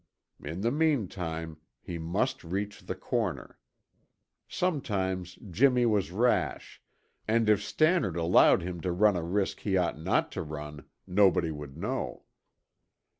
In the meantime, he must reach the corner. Sometimes Jimmy was rash, and if Stannard allowed him to run a risk he ought not to run, nobody would know.